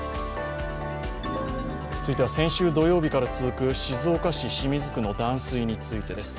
続いては先週土曜日から続く静岡市清水区の断水についてです。